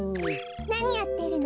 なにやってるの？